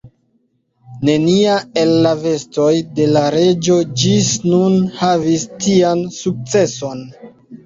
Nenia el la vestoj de la reĝo ĝis nun havis tian sukceson.